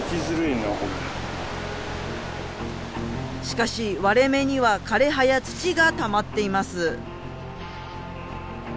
しかし割れ目には枯れ葉や土がたまっています。